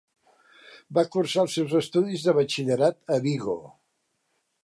Va cursar els seus estudis de batxillerat a Vigo.